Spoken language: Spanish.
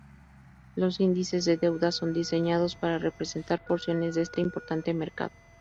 Los índices de deuda son diseñados para representar porciones de este importante mercado.